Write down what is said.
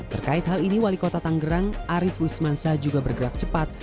terkait hal ini wali kota tanggerang arief wismansa juga bergerak cepat